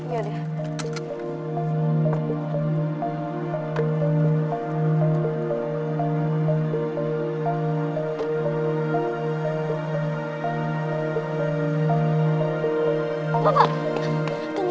yang ada nyelakain gue